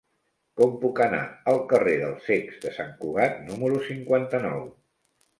Com puc anar al carrer dels Cecs de Sant Cugat número cinquanta-nou?